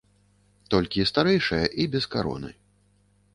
Толькі старэйшая і без кароны.